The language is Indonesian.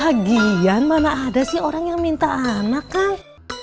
lagian mana ada sih orang yang minta anak kang